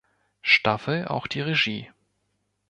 Staffel auch die Regie.